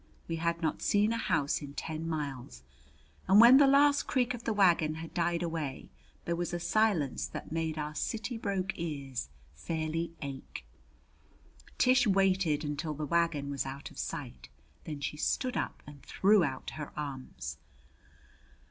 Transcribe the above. We had not seen a house in ten miles, and when the last creak of the wagon had died away there was a silence that made our city broke ears fairly ache. Tish waited until the wagon was out of sight; then she stood up and threw out her arms.